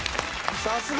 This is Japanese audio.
さすが！